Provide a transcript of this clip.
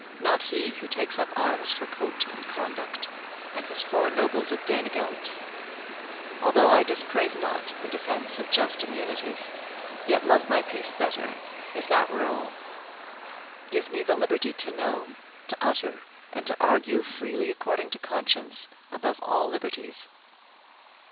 not he who takes up arms for coat and conduct, and his four nobles of Danegelt. Although I dispraise not the defence of just immunities, yet love my peace better, if that were all. Give me the liberty to know, to utter, and to argue freely according to conscience, above all liberties.